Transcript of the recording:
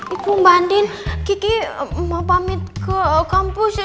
ibu mbak andin kiki mau pamit ke kampus